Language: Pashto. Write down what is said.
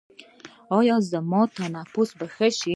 ایا زما تنفس به ښه شي؟